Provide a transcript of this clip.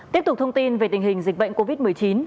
tiếp tục thông tin về tình hình dịch bệnh covid một mươi chín